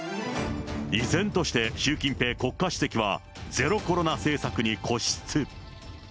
依然として習近平国家主席はゼロコロナ政策に固執。